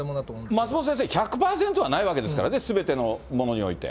松本先生、１００％はないわけですからね、すべてのものにおいて。